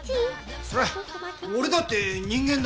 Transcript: そりゃ俺だって人間だ！